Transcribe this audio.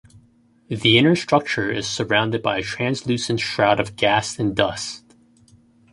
The inner structure is surrounded by a translucent shroud of gas and dust.